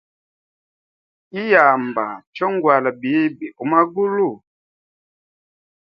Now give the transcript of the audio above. Iyamba chongwala bibi umagulu.